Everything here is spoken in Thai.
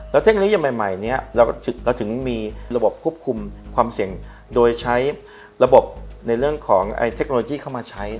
แล้วเทคโนโลยีใหม่นี้เราถึงมีระบบควบคุมความเสี่ยงโดยใช้ระบบในเรื่องของเทคโนโลยีเข้ามาใช้